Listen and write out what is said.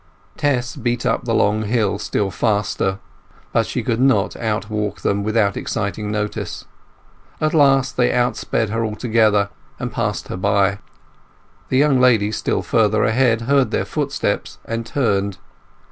Tess beat up the long hill still faster; but she could not outwalk them without exciting notice. At last they outsped her altogether, and passed her by. The young lady still further ahead heard their footsteps and turned.